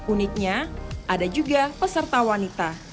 uniknya ada juga peserta wanita